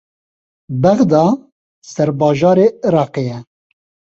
Bexda serbajarê Iraqê ye.